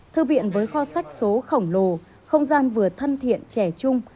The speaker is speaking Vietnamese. thư viện với kho sách số khổng lồ không gian vừa thân thiện trẻ chung